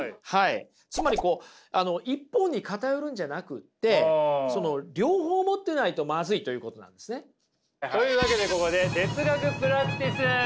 つまり一方に偏るんじゃなくて両方を持ってないとマズいということなんですね。というわけでここで哲学プラクティス！